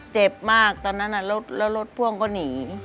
เจ็บมากตอนนั้นแล้วรถพ่วงก็หนี